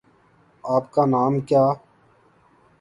آپ کا نام کیا